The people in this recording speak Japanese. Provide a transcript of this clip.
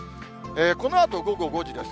このあと午後５時です。